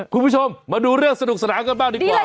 คุณผู้ชมมาดูเรื่องสนุกสนานกันบ้างดีกว่า